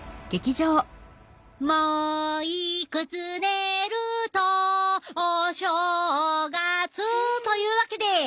「もういくつねるとお正月」というわけで！